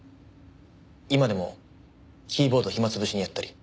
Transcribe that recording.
今でもキーボード暇潰しにやったり。